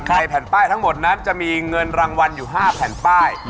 แผ่นป้ายทั้งหมดนั้นจะมีเงินรางวัลอยู่๕แผ่นป้าย